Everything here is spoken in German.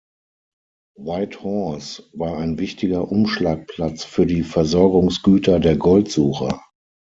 Whitehorse war ein wichtiger Umschlagplatz für die Versorgungsgüter der Goldsucher.